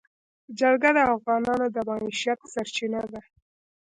جلګه د افغانانو د معیشت سرچینه ده.